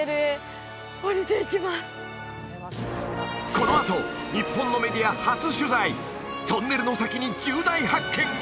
このあと日本のメディア初取材トンネルの先に重大発見が！